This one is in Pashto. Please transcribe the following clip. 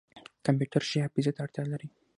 کمپیوټر ښې حافظې ته اړتیا لري.